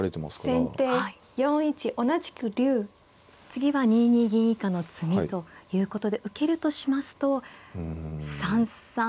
次は２二銀以下の詰みということで受けるとしますと３三。